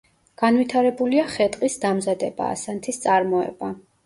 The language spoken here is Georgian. განვითარებულია ხე-ტყის დამზადება, ასანთის წარმოება.